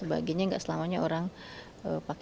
pengamat ekonomi universitas pajajaran dian mbak